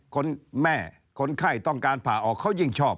คนแม่คนไข้ต้องการผ่าออกเขายิ่งชอบ